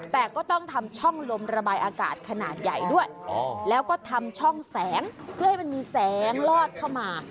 แต่ก็ต้องทำช่องลมระบายอากาศขนาดใหญ่ด้วยแล้วก็ทำช่องแสงเพื่อให้มันมีแสงลอดเข้ามา